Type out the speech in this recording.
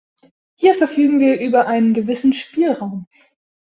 Hier verfügen wir über einen gewissen Spielraum.